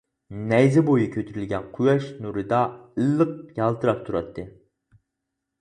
نەيزە بويى كۆتۈرۈلگەن قۇياش نۇرىدا ئىللىق يالتىراپ تۇراتتى.